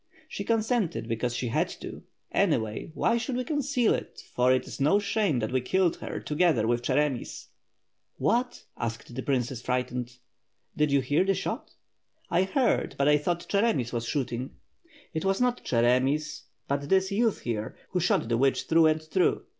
"She consented because she had to. Anyway, why should we conceal it, for it is no shame that we killed her, together with Cheremis." "What?" asked the princess frightened. "Did you hear the sh(Jt?" "I heard it; but I thought Cheremis was shooting." "It was not Cheremis, but this youth here, who shot the witch through and through?